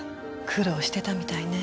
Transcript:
苦労してたみたいね。